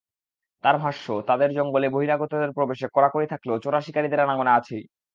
তাঁর ভাষ্য, তাঁদের জঙ্গলে বহিরাগতদের প্রবেশে কড়াকড়ি থাকলেও চোরা শিকারিদের আনাগোনা আছেই।